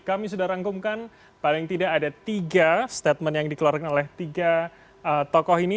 kami sudah rangkumkan paling tidak ada tiga statement yang dikeluarkan oleh tiga tokoh ini